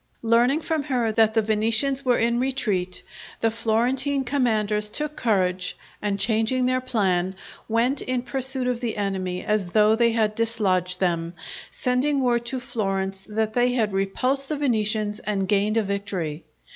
Learning from her that the Venetians were in retreat, the Florentine commanders took courage, and changing their plan, went in pursuit of the enemy as though they had dislodged them, sending word to Florence that they had repulsed the Venetians and gained a victory.